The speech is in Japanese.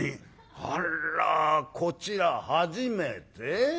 「あらこちら初めて？